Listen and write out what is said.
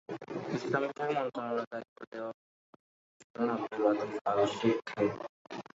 ইসলামবিষয়ক মন্ত্রণালয়ের দায়িত্ব দেওয়া হয়েছে ধর্মীয় পুলিশ প্রধান আবদুল আতিফ আল শেখকে।